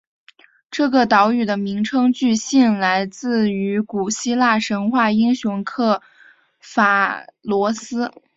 这个岛屿的名称据信来自于古希腊神话英雄刻法罗斯。